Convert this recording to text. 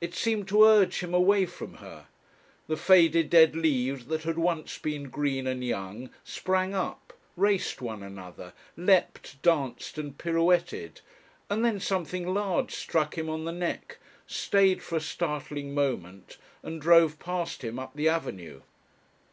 It seemed to urge him away from her. The faded dead leaves that had once been green and young sprang up, raced one another, leapt, danced and pirouetted, and then something large struck him on the neck, stayed for a startling moment, and drove past him up the avenue.